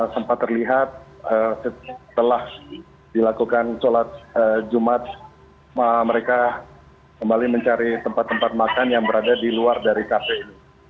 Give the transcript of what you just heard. sempat terlihat setelah dilakukan sholat jumat mereka kembali mencari tempat tempat makan yang berada di luar dari kafe ini